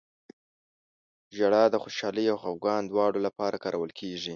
• ژړا د خوشحالۍ او خفګان دواړو لپاره کارول کېږي.